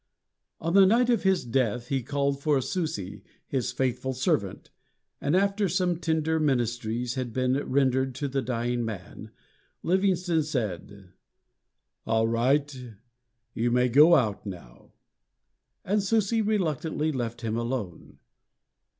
On the night of his death he called for Susi, his faithful servant, and, after some tender ministries had been rendered to the dying man, Livingstone said: "All right; you may go out now," and Susi reluctantly left him alone.